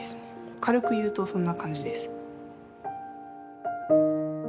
軽く言うとそんな感じです。